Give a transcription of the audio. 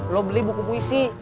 lo beli buku puisi